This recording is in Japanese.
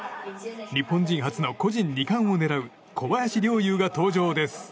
日本人初の個人２冠を狙う小林陵侑が登場です。